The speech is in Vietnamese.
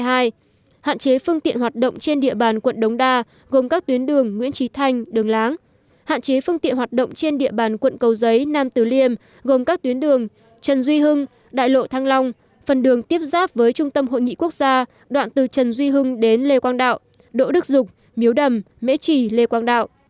trong ba ngày một mươi một một mươi hai và một mươi ba tháng một mươi một hạn chế phương tiện hoạt động trên địa bàn quận đông đa gồm các tuyến đường nguyễn trí thanh đường láng hạn chế phương tiện hoạt động trên địa bàn quận cầu giấy nam tử liêm gồm các tuyến đường trần duy hưng đại lộ thăng long phần đường tiếp giáp với trung tâm hội nghị quốc gia đoạn từ trần duy hưng đến lê quang đạo đỗ đức dục miếu đầm mễ trì lê quang đạo